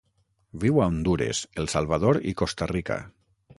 Viu a Hondures, El Salvador i Costa Rica.